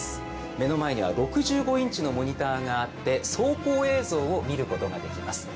目の前には６５インチのモニターがあって走行映像を見ることができます。